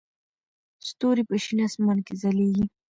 ستوري په شین اسمان کې ځلېږي.